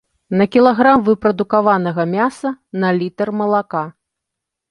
На кілаграм выпрадукаванага мяса, на літр малака.